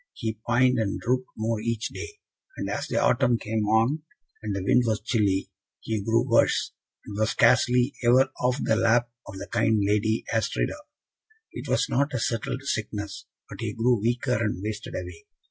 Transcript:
He pined and drooped more each day; and as the autumn came on, and the wind was chilly, he grew worse, and was scarcely ever off the lap of the kind Lady Astrida. It was not a settled sickness, but he grew weaker, and wasted away.